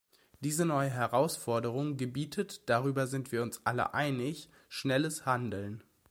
Diese neue Herausforderung gebietet darüber sind wir uns alle einig schnelles Handeln.